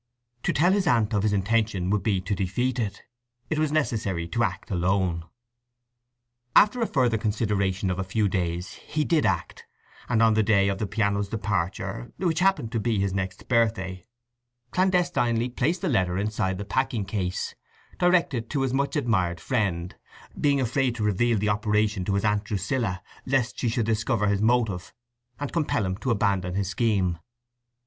To tell his aunt of his intention would be to defeat it. It was necessary to act alone. After a further consideration of a few days he did act, and on the day of the piano's departure, which happened to be his next birthday, clandestinely placed the letter inside the packing case, directed to his much admired friend, being afraid to reveal the operation to his aunt Drusilla, lest she should discover his motive, and compel him to abandon his scheme.